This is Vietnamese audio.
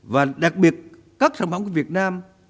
và đặc biệt các sản phẩm của việt nam